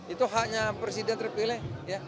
itu haknya presiden terpilih